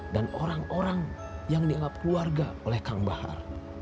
dan orang orang yang dianggap keluarga oleh kang bahar